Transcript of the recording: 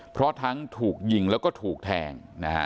เพราะทั้งถูกยิงแล้วก็ถูกแทงนะฮะ